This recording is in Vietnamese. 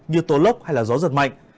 như tố lốc hay gió giật mạnh